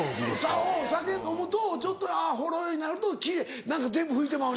そうお酒飲むとちょっとほろ酔いになると何か全部拭いてまう。